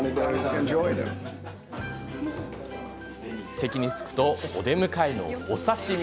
席に着くと、お出迎えのお刺身。